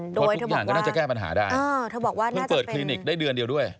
เพราะทุกอย่างก็น่าจะแก้ปัญหาได้เธอบอกว่ามันเปิดคลินิกได้เดือนเดียวด้วย